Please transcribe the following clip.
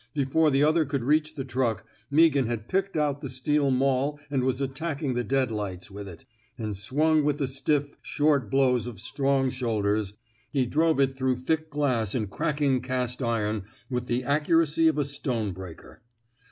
Before the other could reach the truck, Meaghan had picked out the steel maul and was attack ing the dead lights with it. And swung with the stiff, short blows of strong shoulders, he drove it through thick glass and cracking cast iron with the accuracy of a stone breaker.